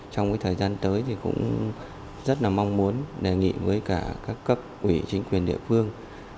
trong thời gian tới thì cũng rất là mong muốn đề nghị với cả các cấp ủy chính quyền địa phương